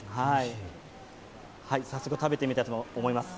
早速、食べてみたいと思います。